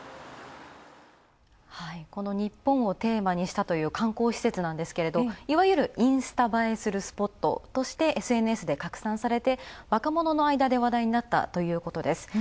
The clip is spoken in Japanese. この日本をテーマにしたという観光施設なんですが、いわゆるインスタ映えするＳＮＳで拡散されて、若者の間で話題になったいうことです。